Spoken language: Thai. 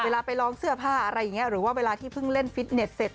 ไปลองเสื้อผ้าอะไรอย่างนี้หรือว่าเวลาที่เพิ่งเล่นฟิตเน็ตเสร็จ